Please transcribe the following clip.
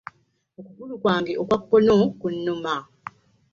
Okugulu kwange okwakono kunuma.